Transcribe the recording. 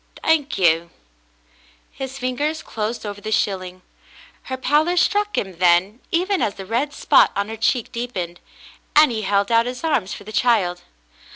"Thank you," his fingers closed over the shilling. Her pallor struck him then, even as the red spot on her cheek deepened, and he held out his arms for the child.